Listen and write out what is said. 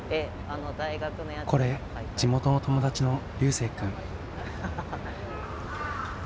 これ地元の友達の龍星君。